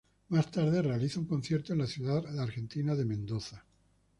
Más tarde realiza un concierto en la ciudad argentina de Mendoza.